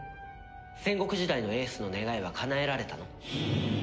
戦国時代の栄守の願いはかなえられたの？